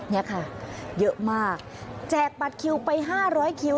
เนี้ยค่ะเยอะมากแจกบัตรคิวไปห้าร้อยคิว